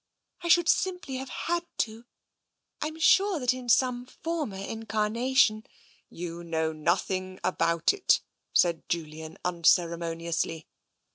I should simply have had to. Fm sure that in some former incarnation " TENSION 177 " You know nothing about it," said Julian uncere moniously.